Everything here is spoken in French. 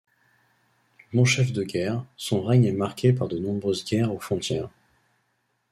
Bon chef de guerre, son règne est marqué par de nombreuses guerres aux frontières.